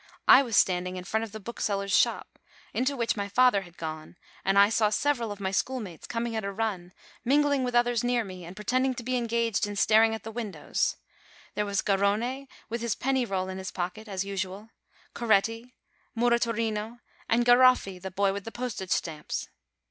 I was standing in front of the bookseller's shop, into which my father had gone, and I saw several of my schoolmates coming at a run, mingling with others near me, and pretending to be engaged in staring at the windows : there was Garrone, with his penny roll in his pocket, as usual; Coretti; "Muratorino" ; and Garoffi, the boy with the postage stamps.